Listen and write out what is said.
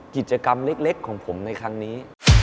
กิจกรรมเล็กของผมในครั้งนี้